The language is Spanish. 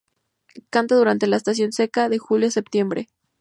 Canta durante la estación seca, de julio a septiembre.